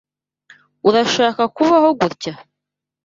Urashaka kubaho gutya?